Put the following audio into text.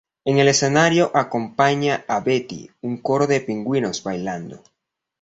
En el escenario acompaña a Betty un coro de pingüinos bailando.